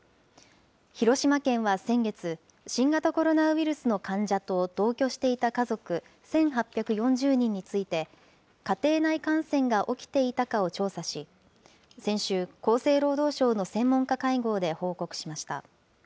広島県は先月、新型コロナウイルスの患者と同居していた家族１８４０人について、家庭内感染が起きていたかを調査し、先週、厚生労働省の専門家会合で報告しました。